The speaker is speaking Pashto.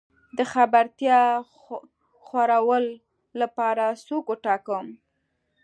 د خبرتيا خورولو لپاره څوک وټاکم؟